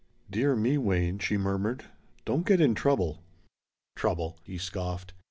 "Dear me, Wayne," she murmured, "don't get in trouble." "Trouble!" he scoffed.